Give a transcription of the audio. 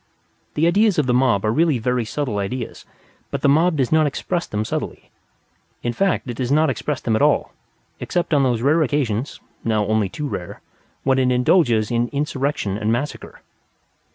The ideas of the mob are really very subtle ideas; but the mob does not express them subtly. In fact, it does not express them at all, except on those occasions (now only too rare) when it indulges in insurrection and massacre.